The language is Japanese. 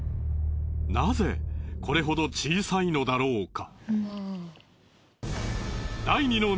なぜこれほど小さいのだろうか。